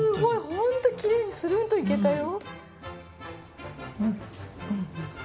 ホントきれいにスルンといけたよ！